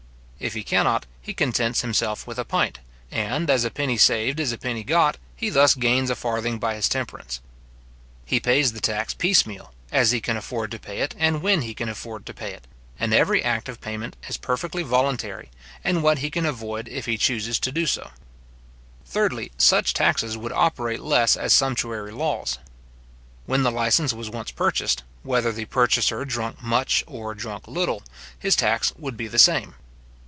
If he cannot, he contents himself with a pint; and, as a penny saved is a penny got, he thus gains a farthing by his temperance. He pays the tax piece meal, as he can afford to pay it, and when he can afford to pay it, and every act of payment is perfectly voluntary, and what he can avoid if he chuses to do so. Thirdly, such taxes would operate less as sumptuary laws. When the licence was once purchased, whether the purchaser drunk much or drunk little, his tax would be the same.